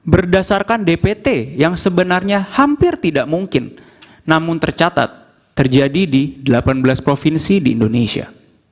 berdasarkan dpt yang sebenarnya hampir tidak mungkin namun tercatat terjadi di delapan belas provinsi di indonesia